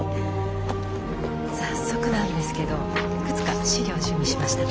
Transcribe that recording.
早速なんですけどいくつか資料を準備しました。